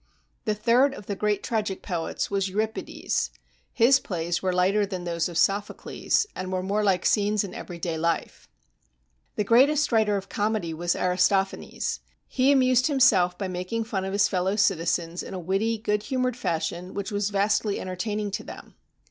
The third of the great tragic poets was Euripides. His plays were lighter than those of Sophocles, and were more like scenes in every day life. The greatest writer of comedy was Aristophanes. He amused himself by making fun of his fellow citizens in a witty, good humored fashion which was vastly enter taining to them.